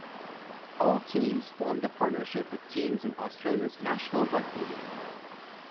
All teams formed a partnership with teams in Australia's National Rugby League.